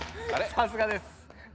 さすがです。